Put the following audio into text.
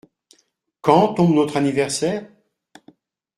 Quand tombe notre anniversaire ?